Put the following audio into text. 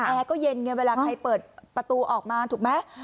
แอร์ก็เย็นไงเวลาใครเปิดประตูออกมาถูกไหม